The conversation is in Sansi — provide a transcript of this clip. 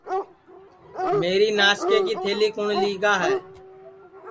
میری ناسکے کی تھلی کُوٹؔ لیگا ہے